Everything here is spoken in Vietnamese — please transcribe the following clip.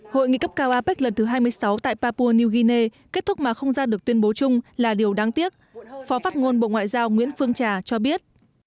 hội nghị cấp cao apec lần thứ hai mươi sáu tại papua new guinea kết thúc mà không ra được tuyên bố chung là điều đáng tiếc phó phát ngôn bộ ngoại giao nguyễn phương trà cho biết